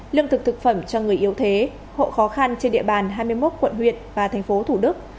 lương thực thực phẩm cho người yếu thế hộ khó khăn trên địa bàn hai mươi một quận huyện và thành phố thủ đức